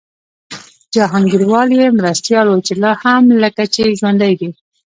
جهانګیروال یې مرستیال و چي لا هم لکه چي ژوندی دی